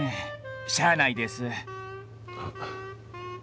しゃあないです。